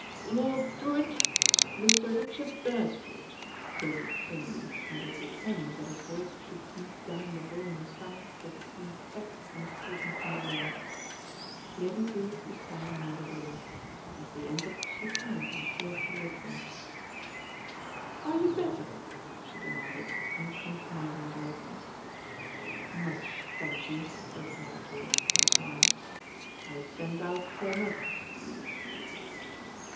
"Lord Drewitt, Mr. Richard Beresford," bawled Payne, as if determined that his voice should beat down the volume of sound that seemed set on es capmg from the room. Lady Drewitt was stand ing near the door. As they entered she turned and sailed towards them. "Are you better?" she demanded with uncom promismg directness. "Much, thank you," replied Drewitt, with a smile. 1 sent out for another."